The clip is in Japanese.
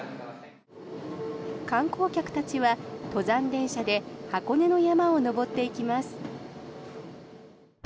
観光客たちは、登山電車で箱根の山を登っていきます。